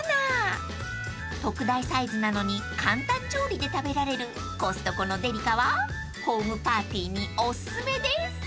［特大サイズなのに簡単調理で食べられるコストコのデリカはホームパーティーにおすすめです］